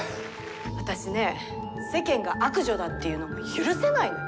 私ね世間が悪女だって言うの許せないのよ。